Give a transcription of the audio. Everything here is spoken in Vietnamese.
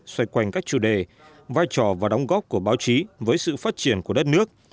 xoay quanh các chủ đề vai trò và đóng góp của báo chí với sự phát triển của đất nước